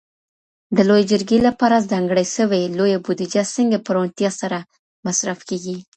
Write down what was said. د لویې جرګي لپاره ځانګړي سوي لویه بودیجه څنګه په روڼتیا سره مصرف کیږي؟